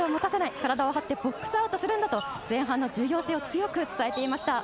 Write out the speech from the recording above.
体を張ってボックスアウトするんだと前半の重要性を強く伝えていました。